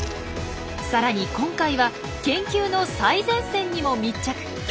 さらに今回は研究の最前線にも密着！